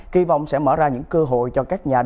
kỳ vọng sẽ mở ra những cơ hội cho các doanh nghiệp